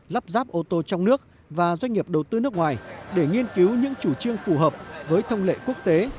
lắp ráp ô tô trong nước và doanh nghiệp đầu tư nước ngoài để nghiên cứu những chủ trương phù hợp với thông lệ quốc tế